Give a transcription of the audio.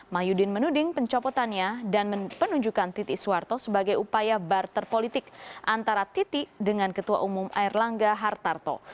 mahyudin menuding pencopotannya dan menunjukkan titik soeharto sebagai upaya barter politik antara titik dengan ketua umum airlangga hartarto